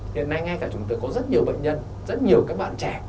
hiện nay ngay cả chúng tôi có rất nhiều bệnh nhân rất nhiều các bạn trẻ